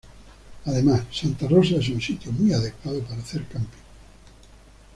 Además santa Rosa es un sitio muy adecuado para hacer camping.